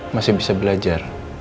masih bisa belajar